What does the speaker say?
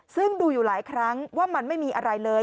ซึ่งดูอยู่หลายครั้งว่ามันไม่มีอะไรเลย